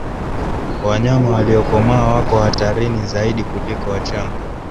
Wanyama waliokomaa wako hatarini zaidi kuliko wachanga